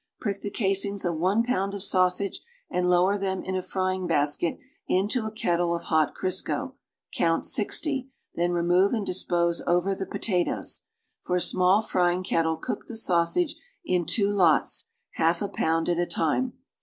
Prick the casings of one pound of sausage and lower them in a frying basket into a kettle of hot Crisco; count sixty, then remove and dispose over the potatoes. For a small frying kettle eook the sausage in two lots, half a pound at a time.